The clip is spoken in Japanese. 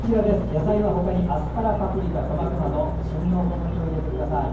野菜はほかにアスパラ、パプリカ、トマトなど旬のお好みを入れてください。